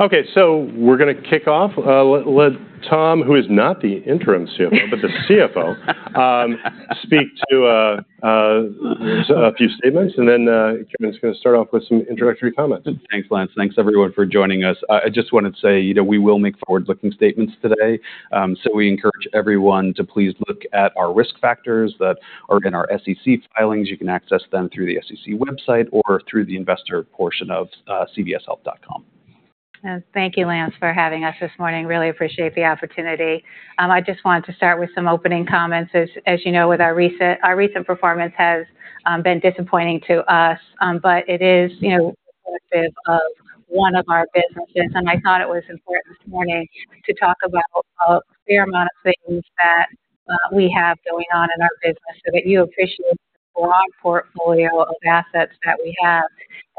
Okay, so we're going to kick off. Let Tom, who is not the interim CFO but the CFO, speak to a few statements, and then Karen's going to start off with some introductory comments. Thanks, Lance. Thanks, everyone, for joining us. I just wanted to say, you know, we will make forward-looking statements today, so we encourage everyone to please look at our risk factors that are in our SEC filings. You can access them through the SEC website or through the investor portion of cvshealth.com. Thank you, Lance, for having us this morning. Really appreciate the opportunity. I just wanted to start with some opening comments. As you know, our recent performance has been disappointing to us, but it is, you know, representative of one of our businesses, and I thought it was important this morning to talk about a fair amount of things that we have going on in our business so that you appreciate the broad portfolio of assets that we have.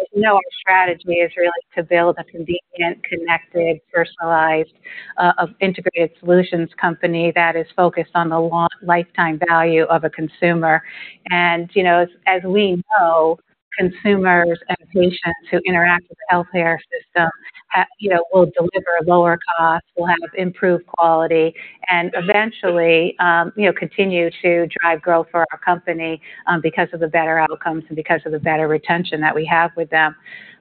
As you know, our strategy is really to build a convenient, connected, personalized, integrated solutions company that is focused on the long lifetime value of a consumer. You know, as we know, consumers and patients who interact with the healthcare system have, you know, will deliver lower costs, will have improved quality, and eventually, you know, continue to drive growth for our company, because of the better outcomes and because of the better retention that we have with them.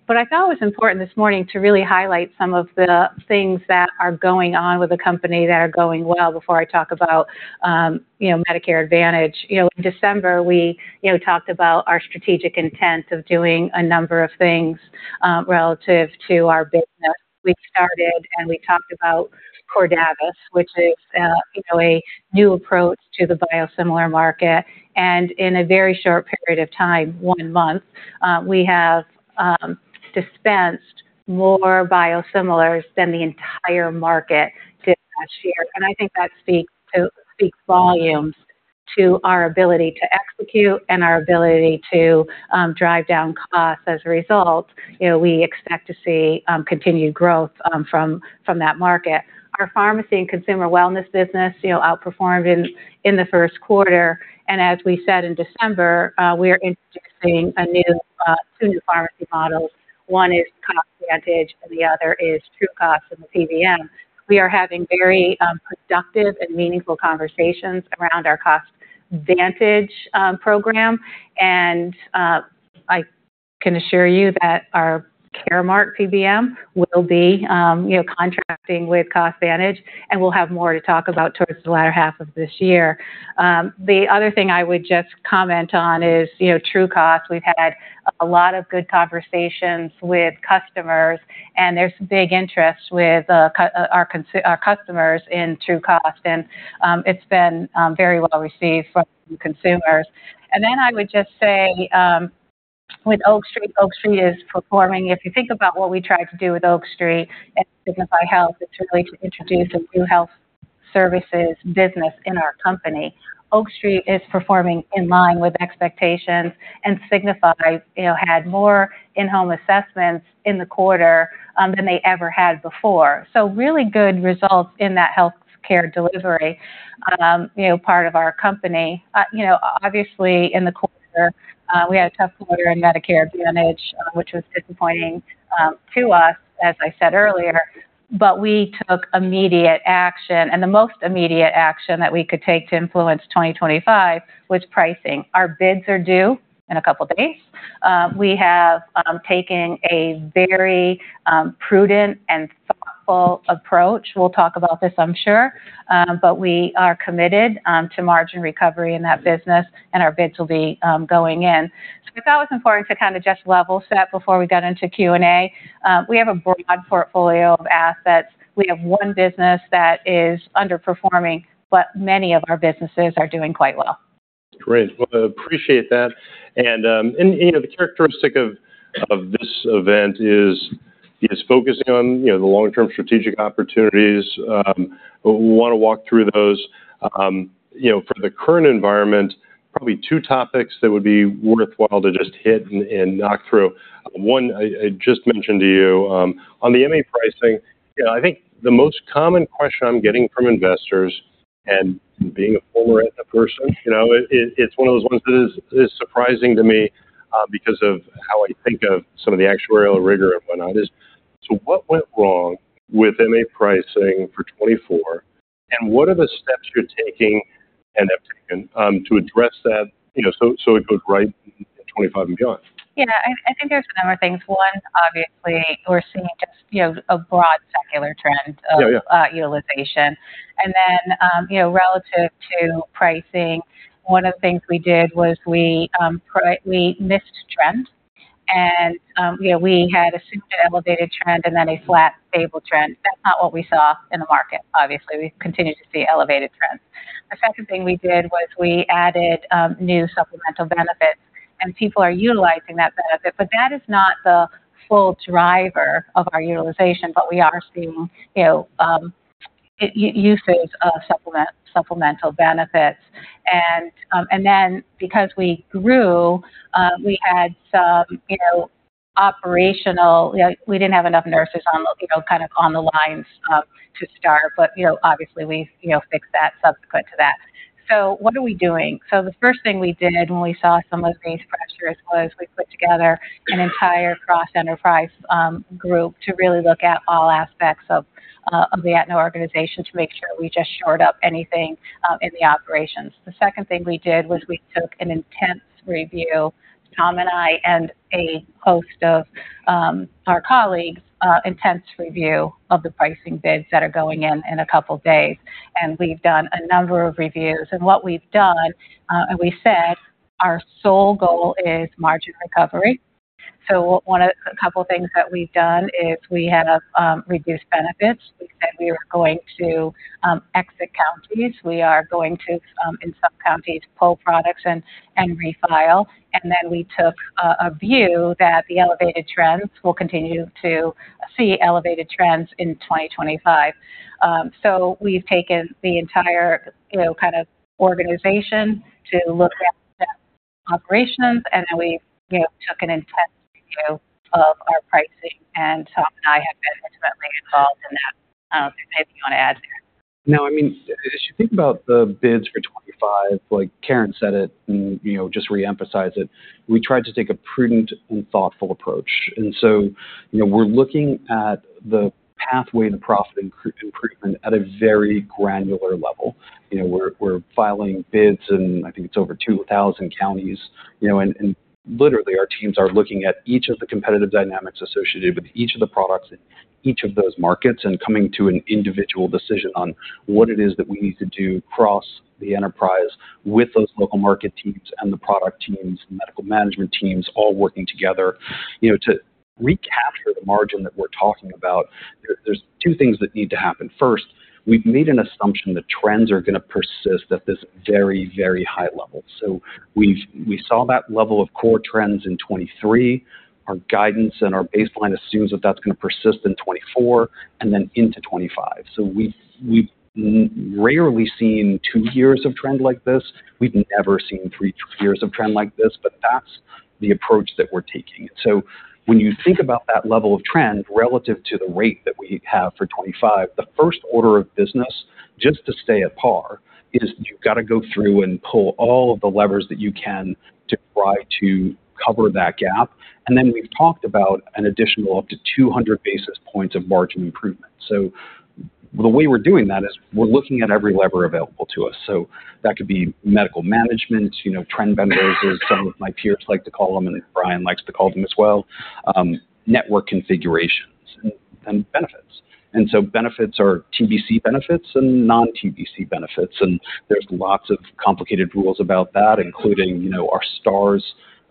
But I thought it was important this morning to really highlight some of the things that are going on with the company that are going well before I talk about, you know, Medicare Advantage. You know, in December, we, you know, talked about our strategic intent of doing a number of things, relative to our business. We started and we talked about Cordavis, which is, you know, a new approach to the biosimilar market. In a very short period of time, one month, we have dispensed more biosimilars than the entire market did this year. I think that speaks volumes to our ability to execute and our ability to drive down costs as a result. You know, we expect to see continued growth from that market. Our pharmacy and consumer wellness business, you know, outperformed in the first quarter. And as we said in December, we're introducing two new pharmacy models. One is CostVantage and the other is TrueCost and the PBM. We are having very productive and meaningful conversations around our CostVantage program. And I can assure you that our Caremark PBM will be, you know, contracting with CostVantage, and we'll have more to talk about towards the latter half of this year. The other thing I would just comment on is, you know, TrueCost. We've had a lot of good conversations with customers, and there's big interest with our customers in TrueCost. It's been very well received from consumers. Then I would just say, with Oak Street, Oak Street is performing. If you think about what we tried to do with Oak Street and Signify Health, it's really to introduce a new health services business in our company. Oak Street is performing in line with expectations and Signify, you know, had more in-home assessments in the quarter than they ever had before. So really good results in that healthcare delivery, you know, part of our company. You know, obviously in the quarter, we had a tough quarter in Medicare Advantage, which was disappointing to us, as I said earlier. But we took immediate action, and the most immediate action that we could take to influence 2025 was pricing. Our bids are due in a couple of days. We have taken a very prudent and thoughtful approach. We'll talk about this, I'm sure. But we are committed to margin recovery in that business, and our bids will be going in. So I thought it was important to kind of just level set before we got into Q&A. We have a broad portfolio of assets. We have one business that is underperforming, but many of our businesses are doing quite well. Great. Well, I appreciate that. And you know, the characteristic of this event is focusing on you know, the long-term strategic opportunities. We want to walk through those. You know, for the current environment, probably two topics that would be worthwhile to just hit and knock through. One, I just mentioned to you, on the MA pricing. You know, I think the most common question I'm getting from investors, and being a former person, you know, it, it's one of those ones that is surprising to me, because of how I think of some of the actuarial rigor and whatnot is, so what went wrong with MA pricing for 2024, and what are the steps you're taking and have taken to address that, you know, so it goes right in 2025 and beyond? Yeah, I think there's a number of things. One, obviously, we're seeing just, you know, a broad secular trend of utilization. And then, you know, relative to pricing, one of the things we did was we missed trend. And, you know, we had a super elevated trend and then a flat, stable trend. That's not what we saw in the market, obviously. We continue to see elevated trends. The second thing we did was we added new supplemental benefits, and people are utilizing that benefit, but that is not the full driver of our utilization, but we are seeing, you know, uses of supplemental benefits. And then, because we grew, we had some, you know, operational, you know, we didn't have enough nurses on the, you know, kind of on the lines, to start, but, you know, obviously we, you know, fixed that subsequent to that. So what are we doing? So the first thing we did when we saw some of these pressures was we put together an entire cross-enterprise group to really look at all aspects of the Aetna organization to make sure we just shored up anything in the operations. The second thing we did was we took an intense review, Tom and I and a host of our colleagues, intense review of the pricing bids that are going in in a couple of days. And we've done a number of reviews. And what we've done, and we said our sole goal is margin recovery. So one of a couple of things that we've done is we had reduced benefits. We said we were going to exit counties. We are going to, in some counties, pull products and refile. And then we took a view that the elevated trends will continue to see elevated trends in 2025. So we've taken the entire, you know, kind of organization to look at operations, and then we, you know, took an intense review of our pricing, and Tom and I have been ultimately involved in that. Is there anything you want to add there? No, I mean, as you think about the bids for 2025, like Karen said it and, you know, just reemphasized it, we tried to take a prudent and thoughtful approach. So, you know, we're looking at the pathway to profit improvement at a very granular level. You know, we're filing bids in, I think it's over 2,000 counties, you know, and literally our teams are looking at each of the competitive dynamics associated with each of the products in each of those markets and coming to an individual decision on what it is that we need to do across the enterprise with those local market teams and the product teams, medical management teams all working together, you know, to recapture the margin that we're talking about. There's two things that need to happen. First, we've made an assumption that trends are going to persist at this very, very high level. So we've, we saw that level of core trends in 2023. Our guidance and our baseline assumes that that's going to persist in 2024 and then into 2025. So we've, we've rarely seen two years of trend like this. We've never seen three, three years of trend like this, but that's the approach that we're taking. So when you think about that level of trend relative to the rate that we have for 2025, the first order of business, just to stay at par, is you've got to go through and pull all of the levers that you can to try to cover that gap. And then we've talked about an additional up to 200 basis points of margin improvement. So the way we're doing that is we're looking at every lever available to us. So that could be medical management, you know, trend benefits is some of my peers like to call them, and Brian likes to call them as well, network configurations and, and benefits. And so benefits are TBC benefits and non-TBC benefits. And there's lots of complicated rules about that, including, you know, our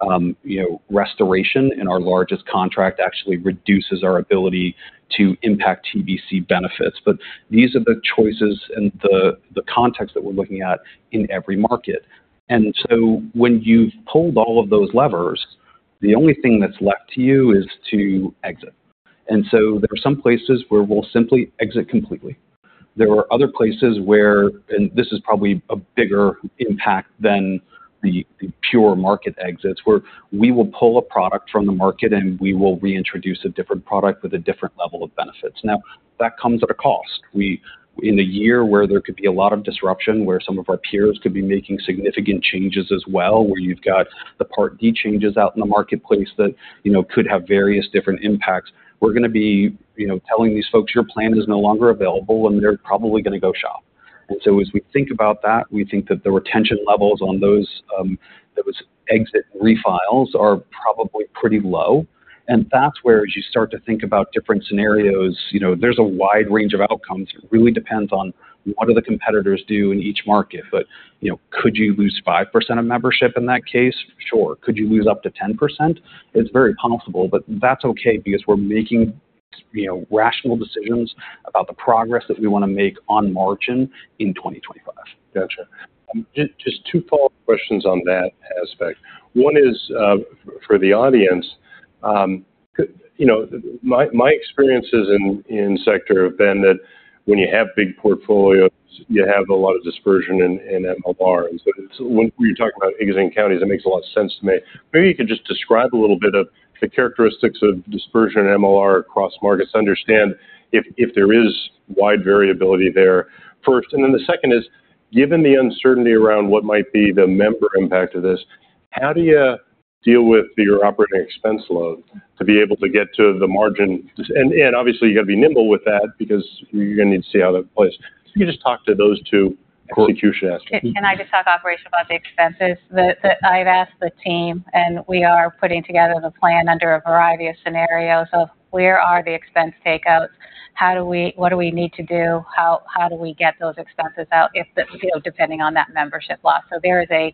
STARS, you know, restoration in our largest contract actually reduces our ability to impact TBC benefits. But these are the choices and the, the context that we're looking at in every market. And so when you've pulled all of those levers, the only thing that's left to you is to exit. And so there are some places where we'll simply exit completely. There are other places where, and this is probably a bigger impact than the, the pure market exits, where we will pull a product from the market and we will reintroduce a different product with a different level of benefits. Now, that comes at a cost. We, in a year where there could be a lot of disruption, where some of our peers could be making significant changes as well, where you've got the Part D changes out in the marketplace that, you know, could have various different impacts, we're going to be, you know, telling these folks, your plan is no longer available, and they're probably going to go shop. And so as we think about that, we think that the retention levels on those, those exit refiles are probably pretty low. That's where, as you start to think about different scenarios, you know, there's a wide range of outcomes. It really depends on what do the competitors do in each market. But, you know, could you lose 5% of membership in that case? Sure. Could you lose up to 10%? It's very possible, but that's okay because we're making, you know, rational decisions about the progress that we want to make on margin in 2025. Gotcha. Just two follow-up questions on that aspect. One is, for the audience, you know, my experiences in sector have been that when you have big portfolios, you have a lot of dispersion in MLR. And so it's when you're talking about exiting counties, it makes a lot of sense to me. Maybe you could just describe a little bit of the characteristics of dispersion and MLR across markets, understand if there is wide variability there first. And then the second is, given the uncertainty around what might be the member impact of this, how do you deal with your operating expense load to be able to get to the margin? And obviously you got to be nimble with that because you're going to need to see how that plays. So you could just talk to those two execution aspects. I just talk operational about the expenses that I've asked the team, and we are putting together the plan under a variety of scenarios of where are the expense takeouts? How do we, what do we need to do? How do we get those expenses out if, you know, depending on that membership loss? So there is a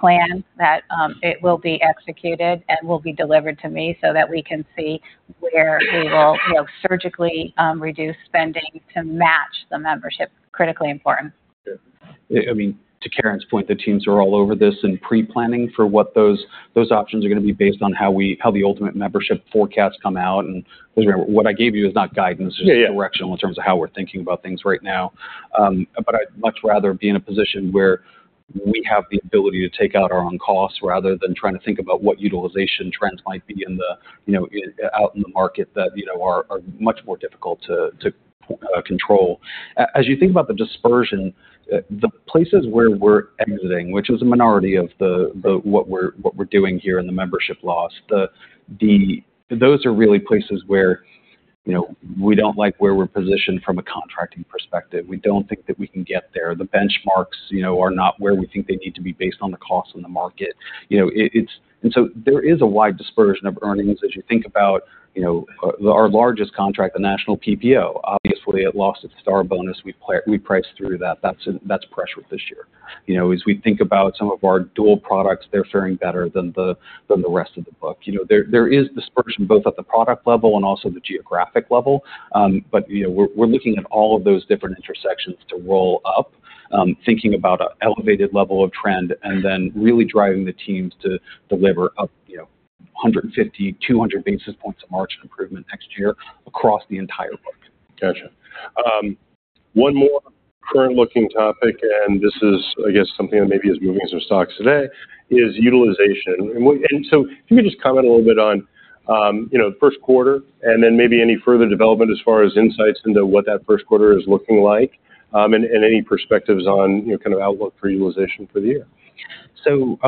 plan that it will be executed and will be delivered to me so that we can see where we will, you know, surgically reduce spending to match the membership. Critically important. Yeah. I mean, to Karen's point, the teams are all over this and pre-planning for what those options are going to be based on how the ultimate membership forecasts come out. And what I gave you is not guidance, just directional in terms of how we're thinking about things right now. But I'd much rather be in a position where we have the ability to take out our own costs rather than trying to think about what utilization trends might be in the, you know, out in the market that, you know, are much more difficult to control. As you think about the dispersion, the places where we're exiting, which is a minority of the what we're doing here in the membership loss, those are really places where, you know, we don't like where we're positioned from a contracting perspective. We don't think that we can get there. The benchmarks, you know, are not where we think they need to be based on the costs in the market. You know, it's, and so there is a wide dispersion of earnings as you think about, you know, our largest contract, the national PPO, obviously it lost its STAR bonus. We priced through that. That's pressured this year. You know, as we think about some of our dual products, they're faring better than the rest of the book. You know, there is dispersion both at the product level and also the geographic level. you know, we're looking at all of those different intersections to roll up, thinking about an elevated level of trend and then really driving the teams to deliver up, you know, 150, 200 basis points of margin improvement next year across the entire market. Gotcha. One more current-looking topic, and this is, I guess, something that maybe is moving some stocks today, is utilization. And we, and so if you could just comment a little bit on, you know, the first quarter and then maybe any further development as far as insights into what that first quarter is looking like, and, and any perspectives on, you know, kind of outlook for utilization for the year? So,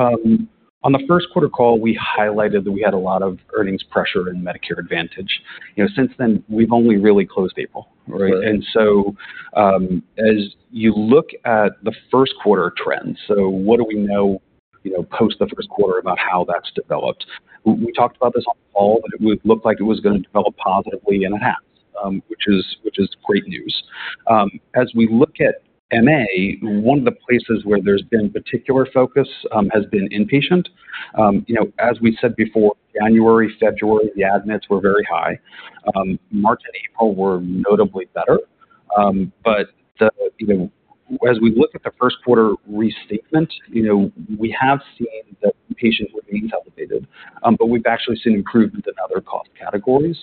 on the first quarter call, we highlighted that we had a lot of earnings pressure in Medicare Advantage. You know, since then, we've only really closed April, right? And so, as you look at the first quarter trends, so what do we know, you know, post the first quarter about how that's developed? We talked about this all, but it looked like it was going to develop positively and it has, which is, which is great news. As we look at MA, one of the places where there's been particular focus, has been inpatient. You know, as we said before, January, February, the admits were very high. March and April were notably better. But the, you know, as we look at the first quarter restatement, you know, we have seen that pain remains elevated, but we've actually seen improvement in other cost categories.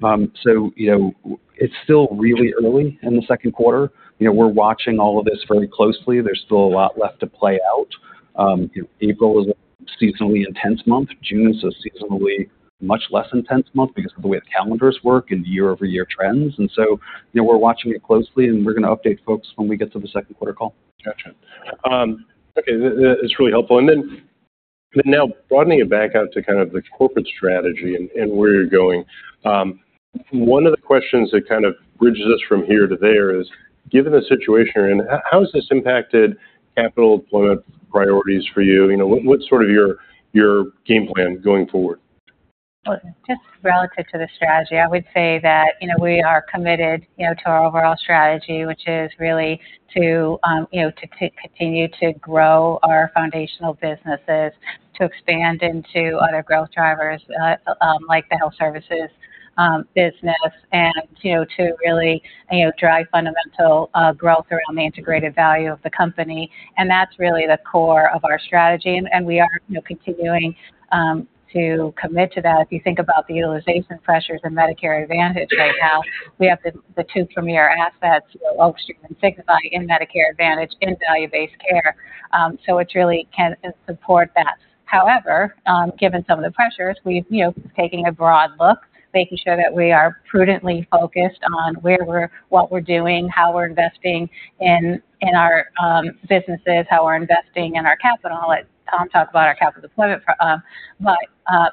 So, you know, it's still really early in the second quarter. You know, we're watching all of this very closely. There's still a lot left to play out. You know, April is a seasonally intense month. June is a seasonally much less intense month because of the way the calendars work and the year-over-year trends. And so, you know, we're watching it closely and we're going to update folks when we get to the second quarter call. Gotcha. Okay. That's really helpful. And then now broadening it back out to kind of the corporate strategy and where you're going, one of the questions that kind of bridges us from here to there is, given the situation you're in, how has this impacted capital deployment priorities for you? You know, what's sort of your game plan going forward? Well, just relative to the strategy, I would say that, you know, we are committed, you know, to our overall strategy, which is really to, you know, to continue to grow our foundational businesses, to expand into other growth drivers, like the health services business, and, you know, to really, you know, drive fundamental growth around the integrated value of the company. And that's really the core of our strategy. And, and we are, you know, continuing to commit to that. If you think about the utilization pressures in Medicare Advantage right now, we have the, the two premier assets, you know, Oak Street and Signify in Medicare Advantage, in value-based care. So it really can support that. However, given some of the pressures, we've, you know, taking a broad look, making sure that we are prudently focused on where we're, what we're doing, how we're investing in our businesses, how we're investing in our capital. Tom talked about our capital deployment, but,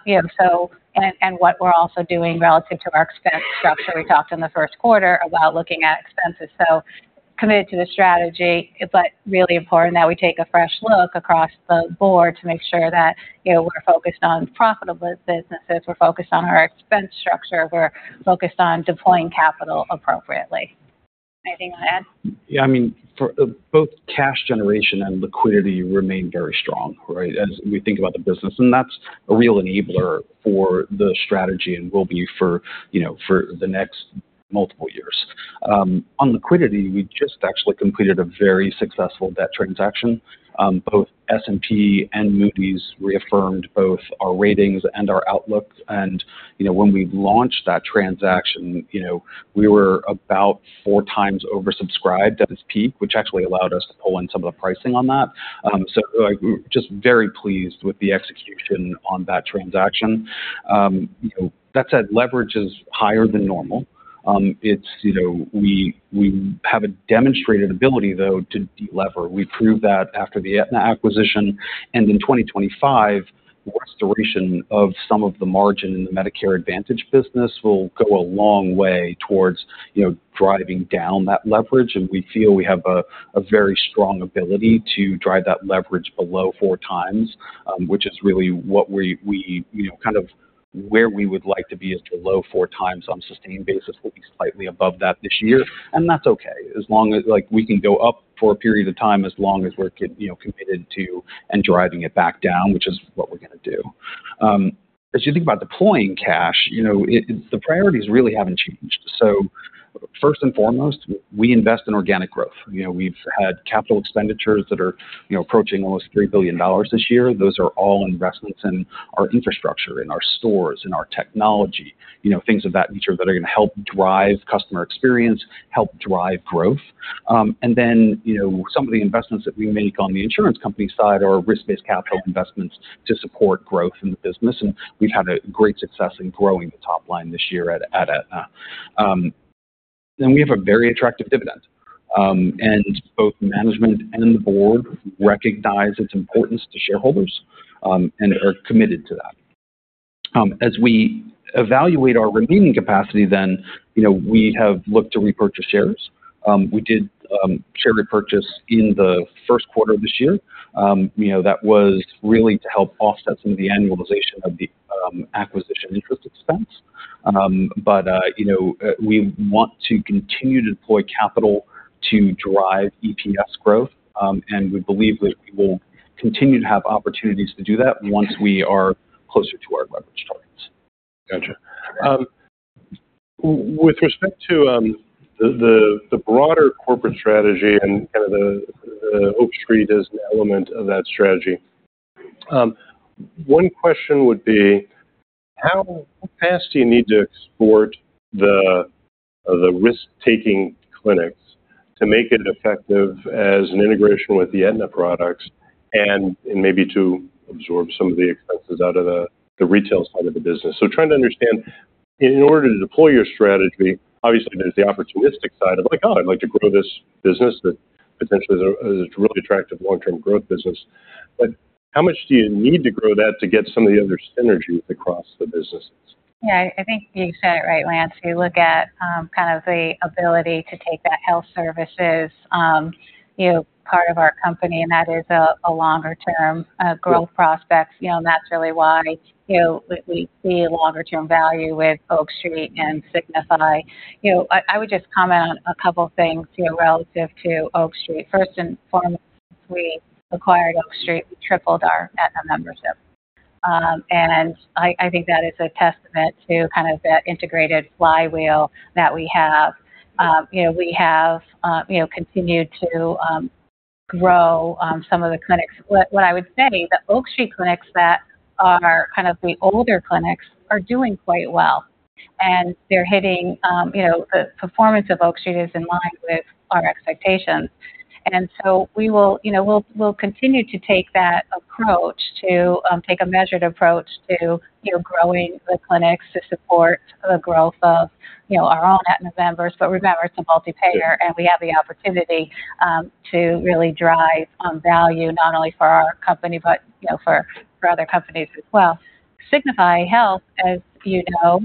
you know, so, and what we're also doing relative to our expense structure. We talked in the first quarter about looking at expenses. So committed to the strategy, but really important that we take a fresh look across the board to make sure that, you know, we're focused on profitable businesses. We're focused on our expense structure. We're focused on deploying capital appropriately. Anything you want to add? Yeah, I mean, for both cash generation and liquidity remain very strong, right, as we think about the business. And that's a real enabler for the strategy and will be for, you know, for the next multiple years. On liquidity, we just actually completed a very successful debt transaction. Both S&P and Moody's reaffirmed both our ratings and our outlook. And, you know, when we launched that transaction, you know, we were about 4x oversubscribed at its peak, which actually allowed us to pull in some of the pricing on that. So like just very pleased with the execution on that transaction. You know, that said, leverage is higher than normal. It's, you know, we have a demonstrated ability, though, to de-lever. We proved that after the Aetna acquisition and in 2025, the restoration of some of the margin in the Medicare Advantage business will go a long way towards, you know, driving down that leverage. And we feel we have a very strong ability to drive that leverage below 4x, which is really what we you know, kind of where we would like to be is below 4x on sustained basis, at least slightly above that this year. And that's okay as long as, like, we can go up for a period of time, as long as we're committed to and driving it back down, which is what we're going to do. As you think about deploying cash, you know, the priorities really haven't changed. So first and foremost, we invest in organic growth. You know, we've had capital expenditures that are, you know, approaching almost $3 billion this year. Those are all investments in our infrastructure, in our stores, in our technology, you know, things of that nature that are going to help drive customer experience, help drive growth. Then, you know, some of the investments that we make on the insurance company side are risk-based capital investments to support growth in the business. We've had great success in growing the top line this year at Aetna. Then we have a very attractive dividend. Both management and the board recognize its importance to shareholders, and are committed to that. As we evaluate our remaining capacity, then, you know, we have looked to repurchase shares. We did share repurchase in the first quarter of this year. You know, that was really to help offset some of the annualization of the acquisition interest expense. But, you know, we want to continue to deploy capital to drive EPS growth. And we believe that we will continue to have opportunities to do that once we are closer to our leverage targets. Gotcha. With respect to the broader corporate strategy and kind of the Oak Street as an element of that strategy, one question would be, how fast do you need to export the risk-taking clinics to make it effective as an integration with the Aetna products and maybe to absorb some of the expenses out of the retail side of the business? So trying to understand, in order to deploy your strategy, obviously there's the opportunistic side of like, oh, I'd like to grow this business that potentially is a really attractive long-term growth business. But how much do you need to grow that to get some of the other synergies across the businesses? Yeah, I think you said it right, Lance. You look at, kind of the ability to take that health services, you know, part of our company, and that is a, a longer-term, growth prospect. You know, and that's really why, you know, we see a longer-term value with Oak Street and Signify. You know, I would just comment on a couple of things, you know, relative to Oak Street. First and foremost, we acquired Oak Street. We tripled our Aetna membership, and I, I think that is a testament to kind of that integrated flywheel that we have. You know, we have, you know, continued to, grow, some of the clinics. What I would say, the Oak Street clinics that are kind of the older clinics are doing quite well. And they're hitting, you know, the performance of Oak Street is in line with our expectations. And so we will, you know, we'll, we'll continue to take that approach to, take a measured approach to, you know, growing the clinics to support the growth of, you know, our own Aetna members. But remember, it's a multipayer and we have the opportunity to really drive value not only for our company, but, you know, for, for other companies as well. Signify Health, as you know,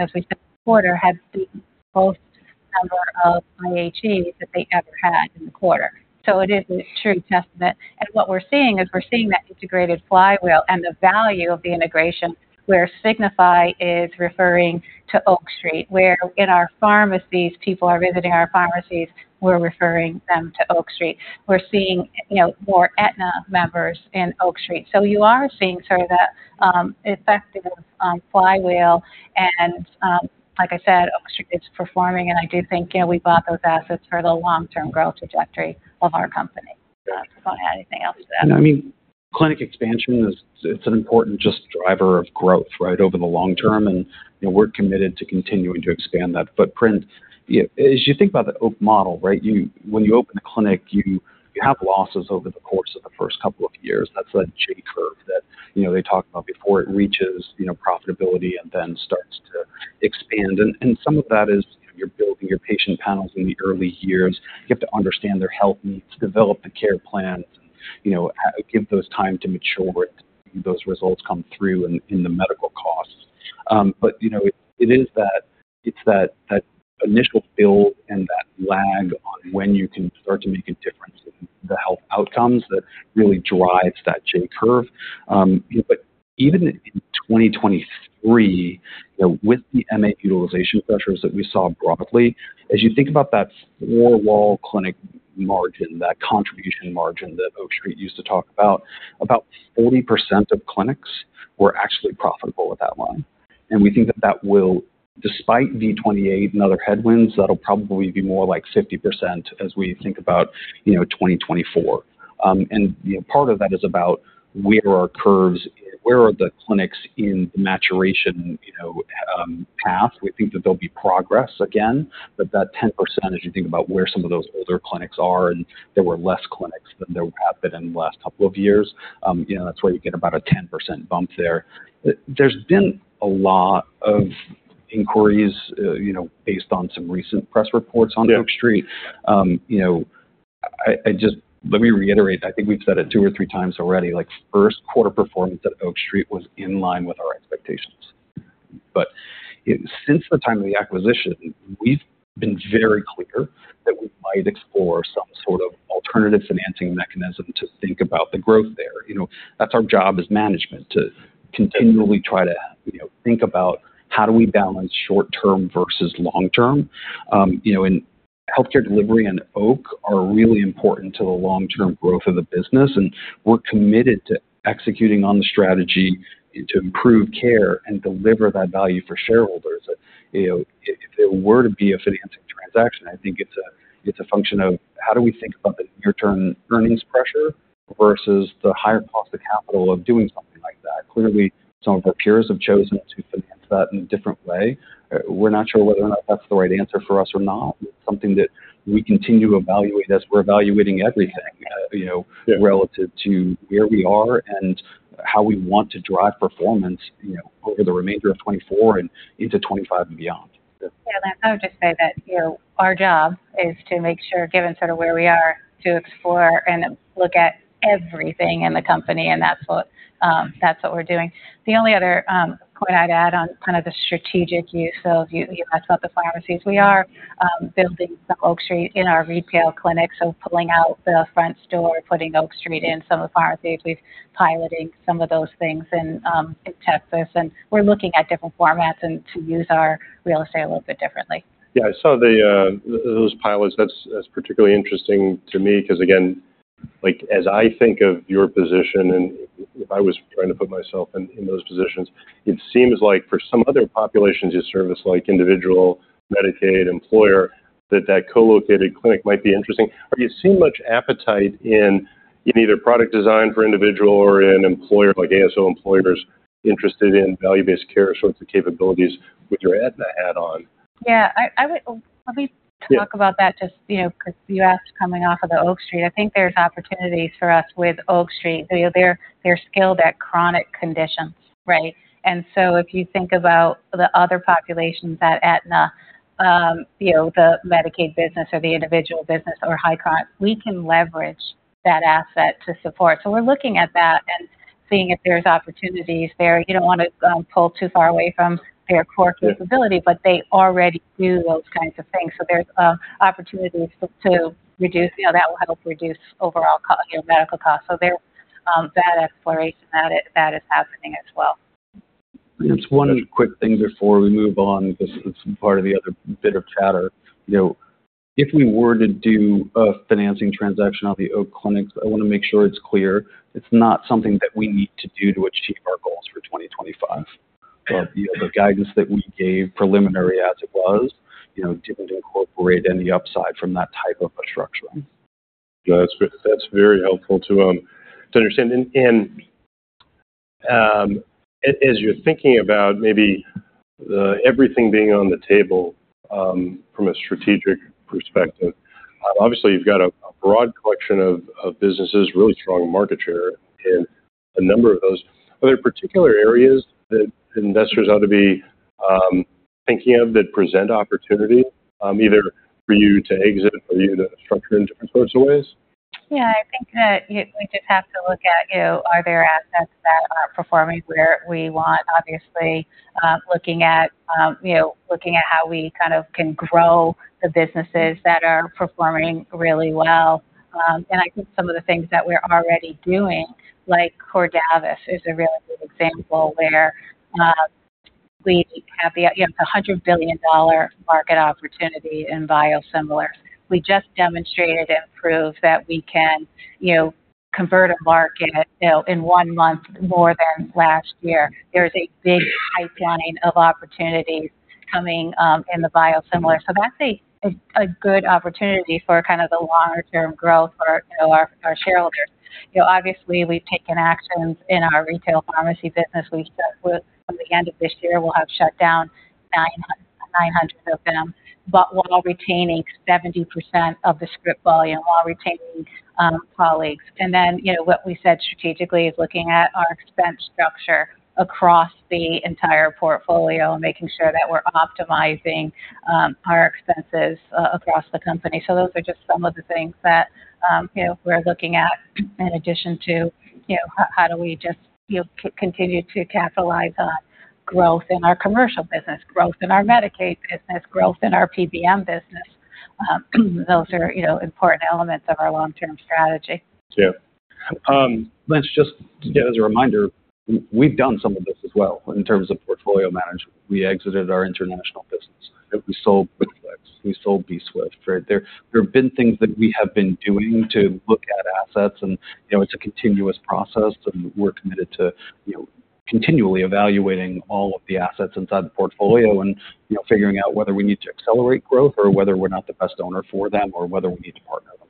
as we said this quarter, had the most number of IHEs that they ever had in the quarter. So it is a true testament. And what we're seeing is we're seeing that integrated flywheel and the value of the integration where Signify is referring to Oak Street, where in our pharmacies, people are visiting our pharmacies, we're referring them to Oak Street. We're seeing, you know, more Aetna members in Oak Street. So you are seeing sort of the effective flywheel. Like I said, Oak Street is performing. I do think, you know, we bought those assets for the long-term growth trajectory of our company. If you want to add anything else to that. No, I mean, clinic expansion, it's an important just driver of growth, right, over the long term. And, you know, we're committed to continuing to expand that footprint. You know, as you think about the Oak model, right, you, when you open a clinic, you have losses over the course of the first couple of years. That's a J Curve that, you know, they talk about before it reaches, you know, profitability and then starts to expand. And some of that is, you know, you're building your patient panels in the early years. You have to understand their health needs, develop the care plans, and, you know, give those time to mature it, those results come through in, in the medical costs. But, you know, it is that, it's that, that initial build and that lag on when you can start to make a difference in the health outcomes that really drives that J Curve. You know, but even in 2023, you know, with the MA utilization pressures that we saw broadly, as you think about that four-wall clinic margin, that contribution margin that Oak Street used to talk about, about 40% of clinics were actually profitable at that line. And we think that that will, despite V28 and other headwinds, that'll probably be more like 50% as we think about, you know, 2024. And, you know, part of that is about where are our curves, where are the clinics in maturation, you know, path? We think that there'll be progress again, but that 10%, as you think about where some of those older clinics are and there were less clinics than there have been in the last couple of years, you know, that's where you get about a 10% bump there. There's been a lot of inquiries, you know, based on some recent press reports on Oak Street. You know, I, I just, let me reiterate, I think we've said it two or three times already, like first quarter performance at Oak Street was in line with our expectations. But since the time of the acquisition, we've been very clear that we might explore some sort of alternative financing mechanism to think about the growth there. You know, that's our job as management to continually try to, you know, think about how do we balance short-term versus long-term? You know, and healthcare delivery and Oak are really important to the long-term growth of the business. And we're committed to executing on the strategy to improve care and deliver that value for shareholders. You know, if there were to be a financing transaction, I think it's a, it's a function of how do we think about the near-term earnings pressure versus the higher cost of capital of doing something like that? Clearly, some of our carriers have chosen to finance that in a different way. We're not sure whether or not that's the right answer for us or not. It's something that we continue to evaluate as we're evaluating everything, you know, relative to where we are and how we want to drive performance, you know, over the remainder of 2024 and into 2025 and beyond. Yeah, Lance, I would just say that, you know, our job is to make sure, given sort of where we are, to explore and look at everything in the company. That's what, that's what we're doing. The only other point I'd add on kind of the strategic use of, you asked about the pharmacies. We are building some Oak Street in our retail clinic, so pulling out the front door, putting Oak Street in some of the pharmacies. We've piloting some of those things in, in Texas, and we're looking at different formats and to use our real estate a little bit differently. Yeah, I saw those pilots. That's particularly interesting to me because, again, like as I think of your position, and if I was trying to put myself in those positions, it seems like for some other populations you service, like individual, Medicaid, employer, that colocated clinic might be interesting. You see much appetite in either product design for individual or in employer, like ASO employers interested in value-based care, sorts of capabilities with your Aetna hat on. Yeah, I would probably talk about that just, you know, because you asked coming off of the Oak Street. I think there's opportunities for us with Oak Street. You know, they're skilled at chronic conditions, right? And so if you think about the other populations, that Aetna, you know, the Medicaid business or the individual business or high chronic, we can leverage that asset to support. So we're looking at that and seeing if there's opportunities there. You don't want to pull too far away from their core capability, but they already do those kinds of things. So there's opportunities to reduce, you know, that will help reduce overall cost, you know, medical costs. So, that exploration that it's happening as well. Lance, one quick thing before we move on, just some part of the other bit of chatter, you know, if we were to do a financing transaction off the Oak clinics, I want to make sure it's clear. It's not something that we need to do to achieve our goals for 2025. But, you know, the guidance that we gave preliminary as it was, you know, didn't incorporate any upside from that type of a structuring. Yeah, that's great. That's very helpful to understand. And as you're thinking about maybe everything being on the table, from a strategic perspective, obviously you've got a broad collection of businesses, really strong market share in a number of those. Are there particular areas that investors ought to be thinking of that present opportunity, either for you to exit, for you to structure in different sorts of ways? Yeah, I think that we just have to look at, you know, are there assets that are performing where we want, obviously, looking at, you know, looking at how we kind of can grow the businesses that are performing really well. I think some of the things that we're already doing, like Cordavis is a really good example where, we have the, you know, the $100 billion market opportunity in biosimilar. We just demonstrated and proved that we can, you know, convert a market, you know, in one month more than last year. There's a big pipeline of opportunities coming, in the biosimilar. So that's a, a good opportunity for kind of the longer-term growth for, you know, our, our shareholders. You know, obviously we've taken actions in our retail pharmacy business. We've started with, from the end of this year, we'll have shut down 900 of them, but while retaining 70% of the script volume, while retaining colleagues. And then, you know, what we said strategically is looking at our expense structure across the entire portfolio and making sure that we're optimizing our expenses across the company. So those are just some of the things that, you know, we're looking at in addition to, you know, how do we just, you know, continue to capitalize on growth in our commercial business, growth in our Medicaid business, growth in our PBM business. Those are, you know, important elements of our long-term strategy. Yeah. Lance, just, yeah, as a reminder, we've done some of this as well in terms of portfolio management. We exited our international business. We sold, we sold bswift, right? There, there have been things that we have been doing to look at assets. And, you know, it's a continuous process and we're committed to, you know, continually evaluating all of the assets inside the portfolio and, you know, figuring out whether we need to accelerate growth or whether we're not the best owner for them or whether we need to partner with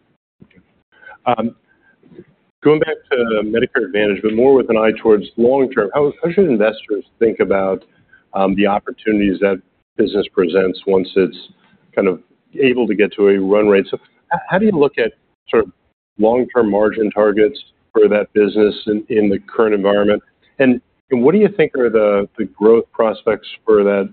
them. Going back to Medicare Advantage, but more with an eye towards long-term, how should investors think about the opportunities that business presents once it's kind of able to get to a run rate? So how do you look at sort of long-term margin targets for that business in, in the current environment? And what do you think are the growth prospects for that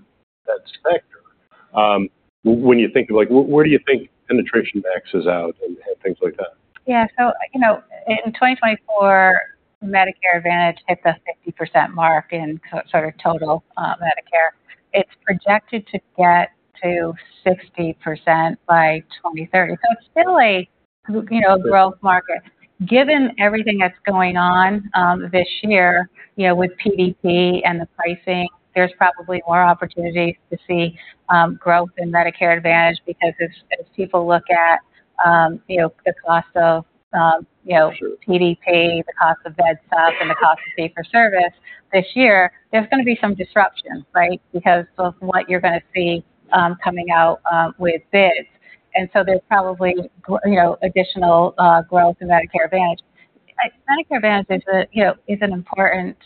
sector? When you think of like, where do you think penetration maxes out and things like that? Yeah, so, you know, in 2024, Medicare Advantage hit the 50% mark in sort of total Medicare. It's projected to get to 60% by 2030. So it's still a, you know, a growth market. Given everything that's going on, this year, you know, with PDP and the pricing, there's probably more opportunities to see, growth in Medicare Advantage because as, as people look at, you know, the cost of, you know, PDP, the cost of Med Supp, and the cost of fee-for-service this year, there's going to be some disruption, right? Because both what you're going to see, coming out, with bids. So there's probably, you know, additional, growth in Medicare Advantage. Medicare Advantage is a, you know, is an important,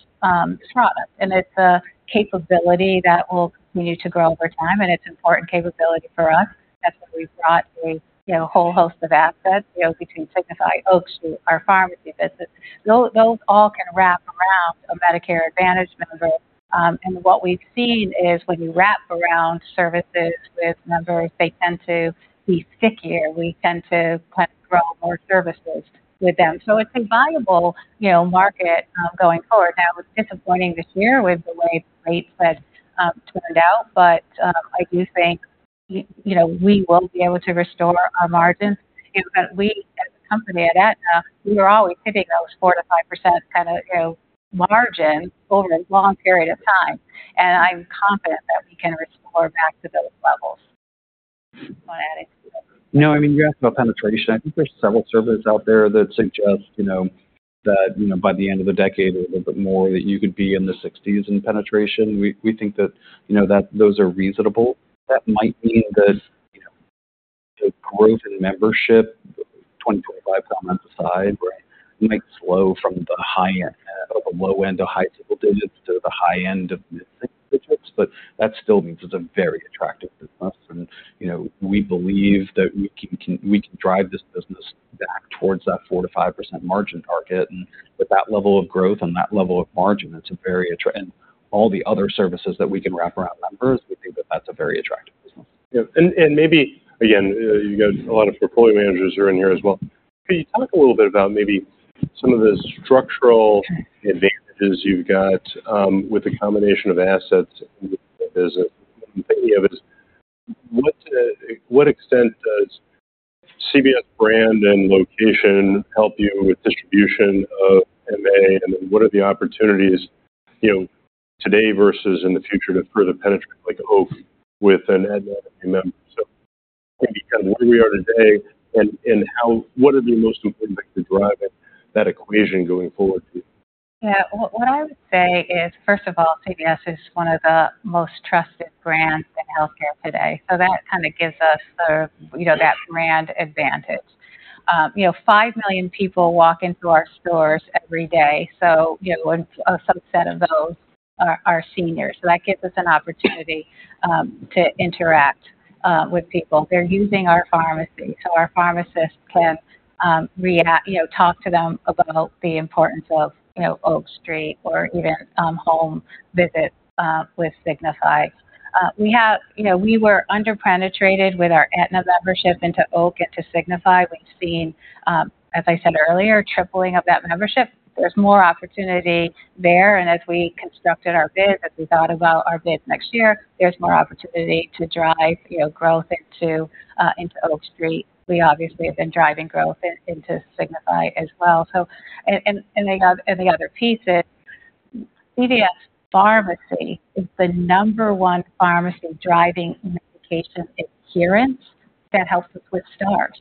product and it's a capability that will continue to grow over time. It's an important capability for us. That's why we've brought a, you know, whole host of assets, you know, between Signify, Oak Street, our pharmacy business. Those all can wrap around a Medicare Advantage member. And what we've seen is when you wrap around services with members, they tend to be stickier. We tend to kind of grow more services with them. So it's a viable, you know, market, going forward. Now, it's disappointing this year with the way the rate fed turned out, but I do think, you know, we will be able to restore our margins. You know, but we as a company at Aetna, we were always hitting those 4%-5% kind of, you know, margins over a long period of time. And I'm confident that we can restore back to those levels. No, I mean, you asked about penetration. I think there's several surveys out there that suggest, you know, that, you know, by the end of the decade, a little bit more that you could be in the 60s in penetration. We think that, you know, that those are reasonable. That might mean that, you know, the growth in membership, 2025, Tom emphasized, might slow from the high end, the low end to high double digits to the high end of mid digits, but that still means it's a very attractive business. And, you know, we believe that we can drive this business back towards that 4%-5% margin target. And with that level of growth and that level of margin, it's a very attractive, and all the other services that we can wrap around members, we think that that's a very attractive business. Yeah. Maybe, again, you've got a lot of portfolio managers in here as well. Can you talk a little bit about maybe some of the structural advantages you've got with the combination of assets? To what extent does CVS brand and location help you with distribution of MA? And then what are the opportunities, you know, today versus in the future to further penetrate like Oak with a dual eligible Medicaid member? So maybe kind of where we are today and what are the most important things to drive that equation going forward? Yeah, what I would say is, first of all, CVS is one of the most trusted brands in healthcare today. So that kind of gives us sort of, you know, that brand advantage. You know, five million people walk into our stores every day. So, you know, some set of those are, are seniors. So that gives us an opportunity to interact with people. They're using our pharmacy. So our pharmacists can react, you know, talk to them about the importance of, you know, Oak Street or even home visits with Signify. We have, you know, we were under-penetrated with our Aetna membership into Oak, into Signify. We've seen, as I said earlier, tripling of that membership. There's more opportunity there. And as we constructed our bids, as we thought about our bid next year, there's more opportunity to drive, you know, growth into, into Oak Street. We obviously have been driving growth into Signify as well. So, the other piece is CVS Pharmacy is the number one pharmacy driving medication adherence that helps us with starts.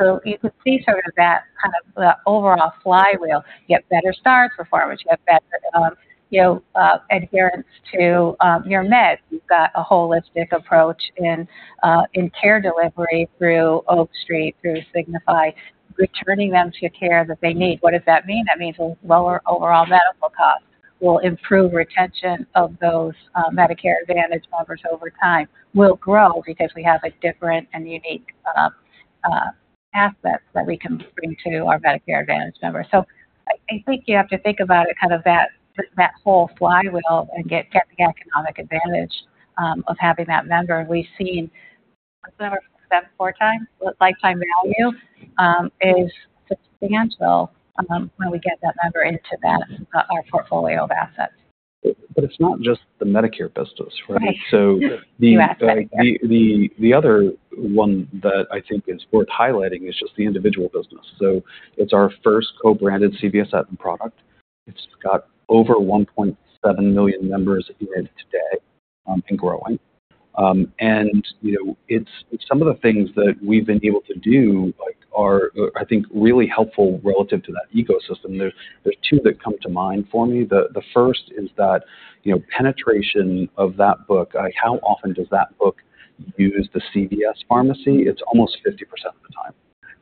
So you could see sort of that kind of the overall flywheel get better starts for pharmacy, get better, you know, adherence to your meds. You've got a holistic approach in care delivery through Oak Street, through Signify, returning them to care that they need. What does that mean? That means lower overall medical costs will improve retention of those Medicare Advantage members over time. We'll grow because we have a different and unique assets that we can bring to our Medicare Advantage members. So I think you have to think about it kind of that whole flywheel and get the economic advantage of having that member. We've seen a number of steps four times, but lifetime value is substantial when we get that member into that our portfolio of assets. But it's not just the Medicare business, right? So the other one that I think is worth highlighting is just the individual business. So it's our first co-branded CVS Aetna product. It's got over 1.7 million members in it today, and growing. And, you know, it's some of the things that we've been able to do, like, I think, really helpful relative to that ecosystem. There's two that come to mind for me. The first is that, you know, penetration of that book, how often does that book use the CVS pharmacy? It's almost 50% of the time,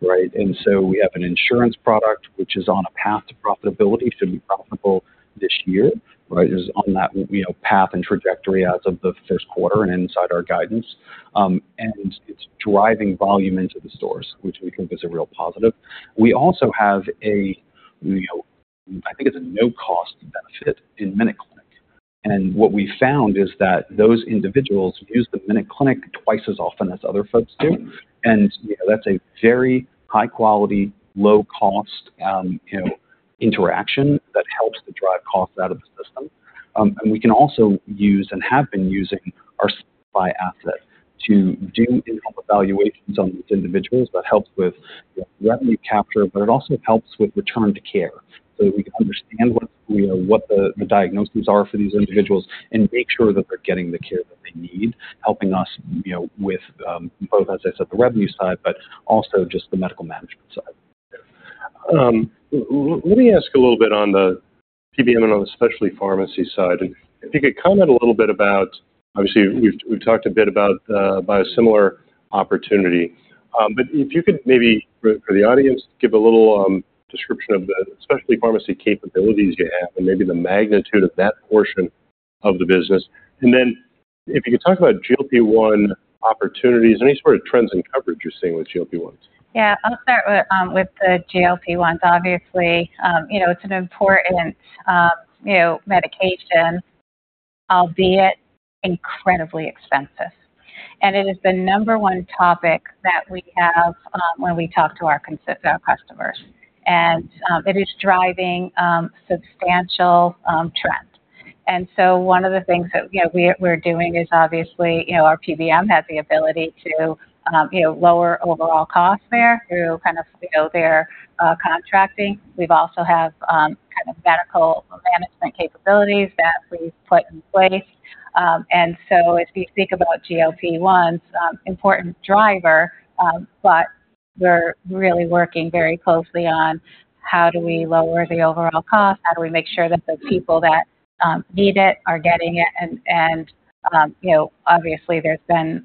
right? And so we have an insurance product, which is on a path to profitability. Should be profitable this year, right? It's on that, you know, path and trajectory as of the first quarter and inside our guidance. And it's driving volume into the stores, which we think is a real positive. We also have a, you know, I think it's a no-cost benefit in MinuteClinic. And what we found is that those individuals use the MinuteClinic twice as often as other folks do. And, you know, that's a very high-quality, low-cost, you know, interaction that helps to drive costs out of the system. And we can also use and have been using our Signify asset to do in-home evaluations on these individuals. That helps with revenue capture, but it also helps with return to care. So that we can understand what, you know, what the, the diagnoses are for these individuals and make sure that they're getting the care that they need, helping us, you know, with, both, as I said, the revenue side, but also just the medical management side. Let me ask a little bit on the PBM and on the specialty pharmacy side. And if you could comment a little bit about, obviously we've, we've talked a bit about, biosimilar opportunity. But if you could maybe for the audience, give a little, description of the specialty pharmacy capabilities you have and maybe the magnitude of that portion of the business. And then if you could talk about GLP-1 opportunities, any sort of trends in coverage you're seeing with GLP-1s. Yeah, I'll start with the GLP-1s. Obviously, you know, it's an important, you know, medication, albeit incredibly expensive. And it is the number 1 topic that we have, when we talk to our consultants, our customers. And it is driving substantial trends. And so one of the things that, you know, we're doing is obviously, you know, our PBM has the ability to, you know, lower overall costs there through kind of, you know, their contracting. We also have kind of medical management capabilities that we've put in place. And so as we speak about GLP-1s, important driver, but we're really working very closely on how do we lower the overall cost? How do we make sure that the people that need it are getting it? And you know, obviously there's been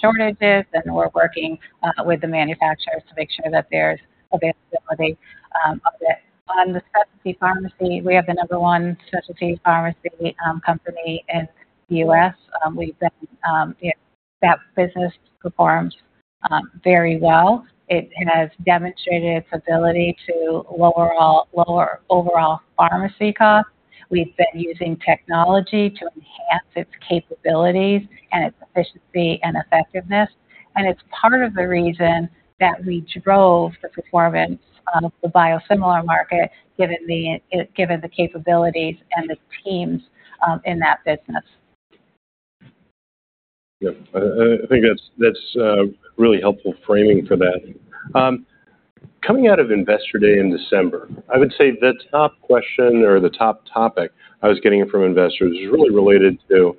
shortages and we're working with the manufacturers to make sure that there's availability of it. On the specialty pharmacy, we have the number one specialty pharmacy company in the U.S. We've been, you know, that business performs very well. It has demonstrated its ability to lower all, lower overall pharmacy costs. We've been using technology to enhance its capabilities and its efficiency and effectiveness. And it's part of the reason that we drove the performance of the biosimilar market, given the, given the capabilities and the teams in that business. Yeah, I think that's really helpful framing for that. Coming out of Investor Day in December, I would say the top question or the top topic I was getting from investors is really related to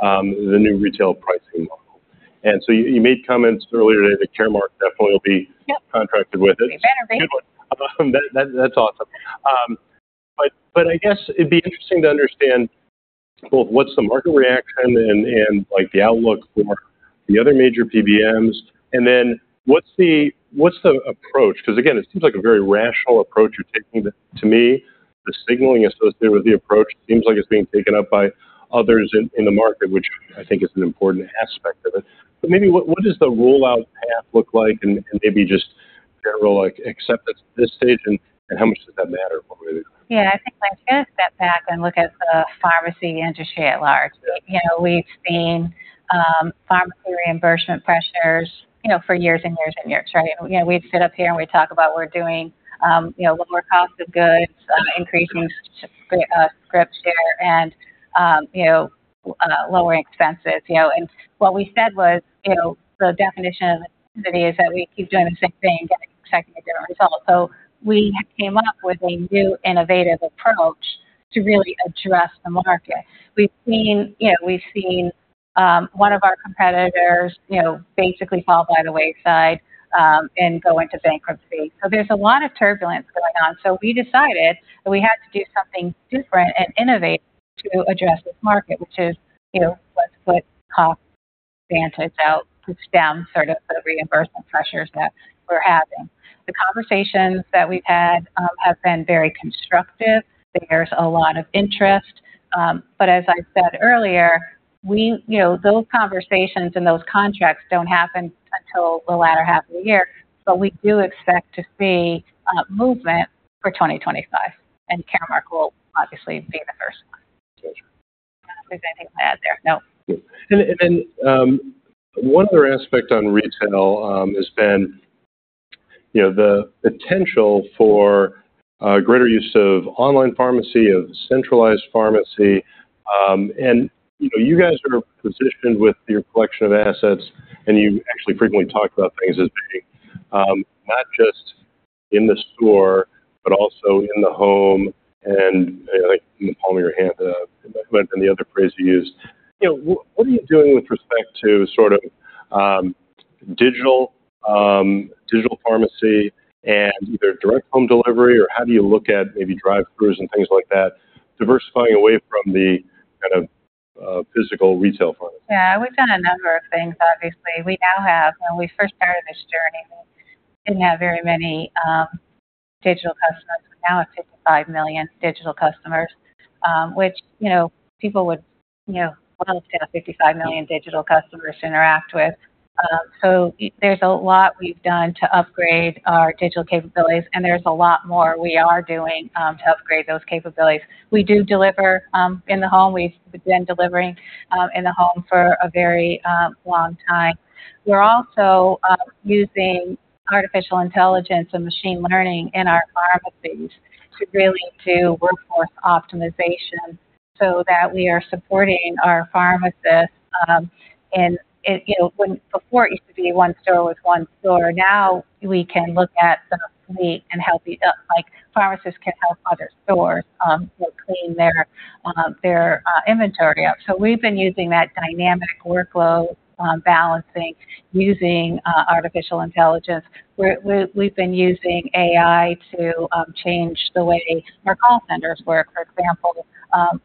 the new retail pricing markup. And so you made comments earlier today that Caremark definitely will be contracted with it. Better be. That's awesome. But I guess it'd be interesting to understand both what's the market reaction and like the outlook for the other major PBMs. And then what's the approach? Because again, it seems like a very rational approach you're taking to me. The signaling associated with the approach seems like it's being taken up by others in the market, which I think is an important aspect of it. But maybe what does the rollout path look like and maybe just general like acceptance at this stage and how much does that matter? Yeah, I think I'm going to step back and look at the pharmacy industry at large. You know, we've seen pharmacy reimbursement pressures, you know, for years and years and years, right? And, you know, we'd sit up here and we'd talk about, you know, we're doing, you know, lower cost of goods, increasing script share and, you know, lower expenses, you know. And what we said was, you know, the definition of insanity is that we keep doing the same thing, expecting a different result. So we came up with a new innovative approach to really address the market. We've seen, you know, one of our competitors, you know, basically fall by the wayside, and go into bankruptcy. So there's a lot of turbulence going on. So we decided that we had to do something different and innovative to address this market, which is, you know, let's put CostVantage out to stem sort of the reimbursement pressures that we're having. The conversations that we've had have been very constructive. There's a lot of interest, but as I said earlier, we, you know, those conversations and those contracts don't happen until the latter half of the year. But we do expect to see movement for 2025. And Caremark will obviously be the first one. There's anything to add there? No. Then, one other aspect on retail has been, you know, the potential for greater use of online pharmacy, of centralized pharmacy. And, you know, you guys are positioned with your collection of assets and you actually frequently talk about things as being not just in the store, but also in the home. And I think you can hold it in the palm of your hand. And the other phrase you used, you know, what are you doing with respect to sort of digital, digital pharmacy and either direct home delivery or how do you look at maybe drive-thrus and things like that, diversifying away from the kind of physical retail pharmacy? Yeah, we've done a number of things, obviously. We now have, when we first started this journey, we didn't have very many digital customers. Now it's 55 million digital customers, which, you know, people would, you know, want to have 55 million digital customers to interact with. So there's a lot we've done to upgrade our digital capabilities and there's a lot more we are doing, to upgrade those capabilities. We do deliver in the home. We've been delivering in the home for a very long time. We're also using artificial intelligence and machine learning in our pharmacies to really do workforce optimization so that we are supporting our pharmacists, in, you know, when before it used to be one store with one floor, now we can look at the fleet and help you up, like pharmacists can help other stores, you know, clean their inventory up. So we've been using that dynamic workload balancing using artificial intelligence. We've been using AI to change the way our call centers work. For example,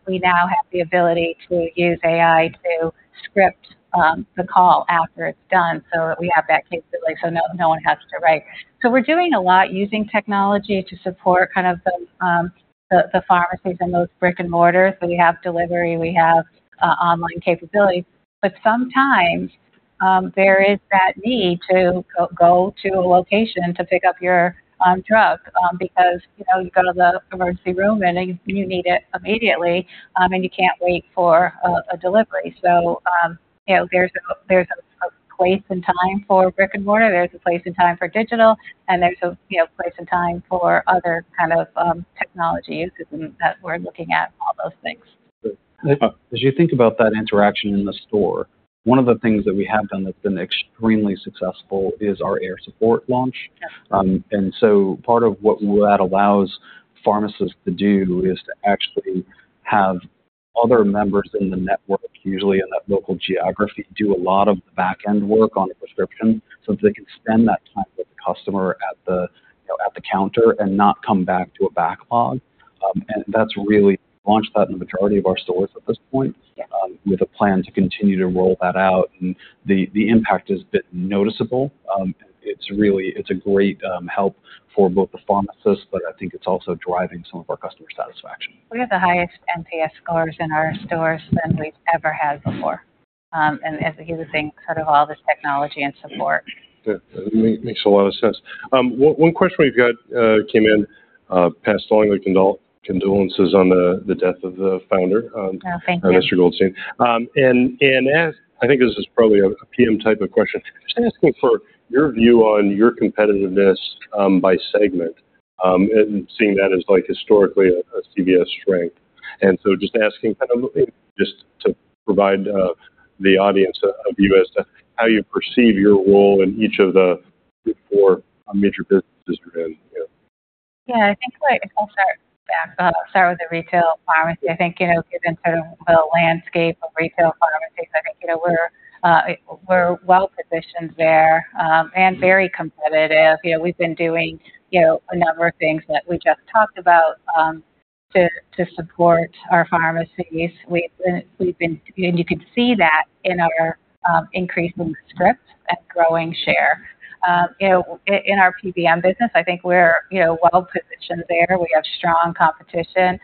we now have the ability to use AI to script the call after it's done so that we have that capability. So no one has to write. So we're doing a lot using technology to support kind of the pharmacies and those brick and mortar. So we have delivery, we have online capabilities. But sometimes there is that need to go to a location to pick up your drug because you know you go to the emergency room and you need it immediately, and you can't wait for a delivery. So you know there's a place and time for brick and mortar. There's a place and time for digital. There's a, you know, place and time for other kind of technology uses, and that we're looking at all those things. As you think about that interaction in the store, one of the things that we have done that's been extremely successful is our Air Support launch. So part of what that allows pharmacists to do is to actually have other members in the network, usually in that local geography, do a lot of the backend work on the prescription so that they can spend that time with the customer at the, you know, at the counter and not come back to a backlog. That's really launched that in the majority of our stores at this point, with a plan to continue to roll that out. The impact has been noticeable. It's really a great help for both the pharmacists, but I think it's also driving some of our customer satisfaction. We have the highest NPS scores in our stores than we've ever had before. And as a huge thing, sort of all this technology and support. Yeah, that makes a lot of sense. One question we've got, came in, pass along our condolences on the, the death of the founder, Mr. Goldstein. And as I think this is probably a PM type of question, just asking for your view on your competitiveness, by segment, and seeing that as like historically a CVS strength. So just asking kind of just to provide the audience a view as to how you perceive your role in each of the four major businesses driven, you know. Yeah, I think I'll start back. I'll start with the retail pharmacy. I think, you know, given sort of the landscape of retail pharmacies, I think, you know, we're well positioned there, and very competitive. You know, we've been doing, you know, a number of things that we just talked about, to support our pharmacies. We've been, and you can see that in our increasing script and growing share. You know, in our PBM business, I think we're, you know, well positioned there. We have strong competition,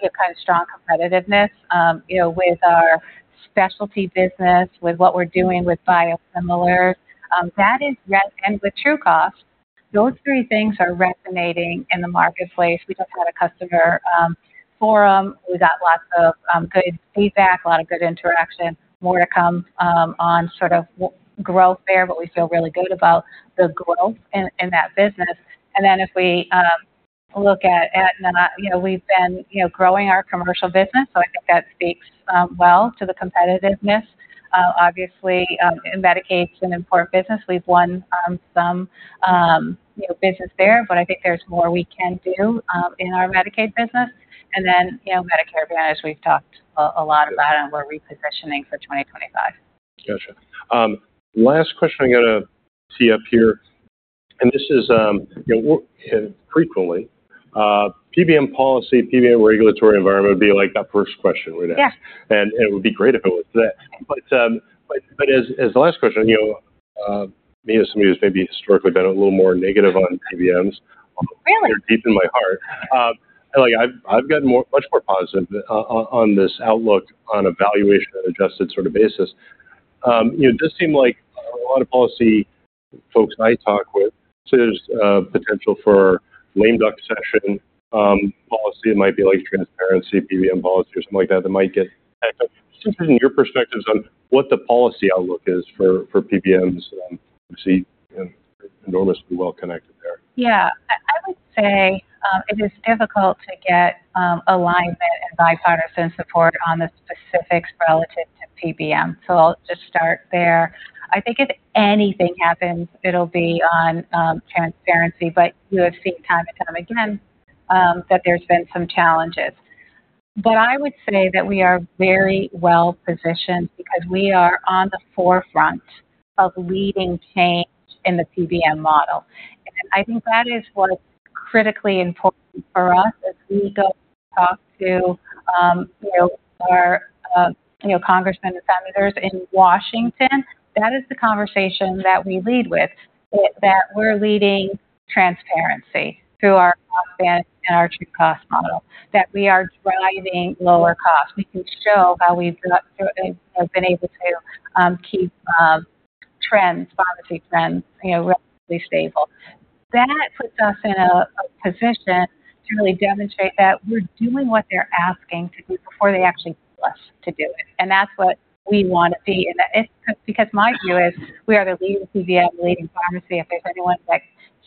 you know, kind of strong competitiveness, you know, with our specialty business, with what we're doing with biosimilars. That is, and with TrueCost, those three things are resonating in the marketplace. We just had a customer forum. We got lots of good feedback, a lot of good interaction, more to come, on sort of growth there, what we feel really good about the growth in that business. And then if we look at, you know, we've been, you know, growing our commercial business. So I think that speaks well to the competitiveness. Obviously, in Medicaid, important business, we've won some, you know, business there, but I think there's more we can do in our Medicaid business. And then, you know, Medicare Advantage, we've talked a lot about and we're repositioning for 2025. Gotcha. Last question I got to tee up here. And this is, you know, frequently PBM policy, PBM regulatory environment would be like that first question we'd ask. And it would be great if it was that. But as the last question, you know, me as somebody who's maybe historically been a little more negative on PBMs, they're deep in my heart. And like I've gotten more, much more positive on this outlook on evaluation on an adjusted sort of basis. You know, this seemed like a lot of policy folks I talk with say there's potential for lame duck session policy. It might be like transparency, PBM policy, or something like that that might get access. It's interesting your perspectives on what the policy outlook is for PBMs. Obviously, you know, enormously well connected there. Yeah, I would say it is difficult to get alignment and bipartisan support on the specifics relative to PBM. So I'll just start there. I think if anything happens, it'll be on transparency. But you have seen time and time again that there's been some challenges. But I would say that we are very well positioned because we are on the forefront of leading change in the PBM model. And I think that is what's critically important for us as we go talk to you know our you know congressmen and senators in Washington. That is the conversation that we lead with, that we're leading transparency through our and our TrueCost model, that we are driving lower costs. We can show how we've been able to keep trends, pharmacy trends, you know, relatively stable. That puts us in a position to really demonstrate that we're doing what they're asking to do before they actually tell us to do it. And that's what we want to see. And that is because my view is we are the leading PBM, leading pharmacy. If there's anyone that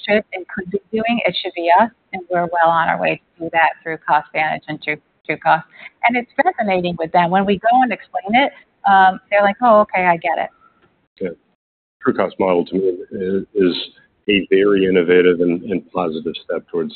should and could be doing it, it should be us. And we're well on our way to do that through cost management through TrueCost. And it's resonating with them. When we go and explain it, they're like, oh, okay, I get it. Yeah. TrueCost model to me is a very innovative and positive step towards,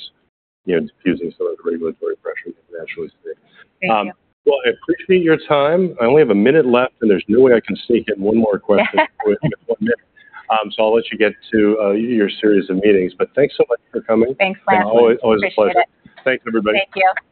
you know, diffusing some of the regulatory pressure that can actually stick. Well, I appreciate your time. I only have a minute left and there's no way I can sneak in one more question before I'm done. So I'll let you get to your series of meetings. But thanks so much for coming. Thanks, Lance. Always a pleasure. Thanks, everybody. Thank you.